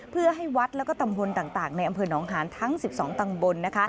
เพื่อให้วัดและตำบลต่างในอำเภอหนองหานทั้ง๑๒ตำบล